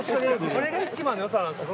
これが市場の良さなんです